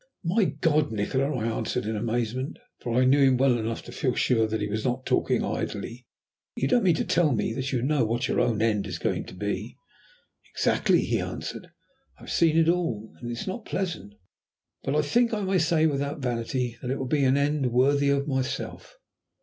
"My God, Nikola!" I answered in amazement, for I knew him well enough to feel sure that he was not talking idly, "you don't mean to tell me that you know what your own end is going to be?" "Exactly," he answered. "I have seen it all. It is not pleasant; but I think I may say without vanity that it will be an end worthy of myself."